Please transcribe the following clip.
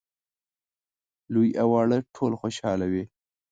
لوی او واړه ټول خوشاله وي.